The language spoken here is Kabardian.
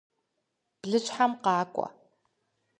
Блыщхьэм къакӏуэ!